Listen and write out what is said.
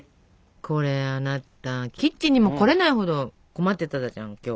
これあなたキッチンにも来れないほど困ってたじゃん今日。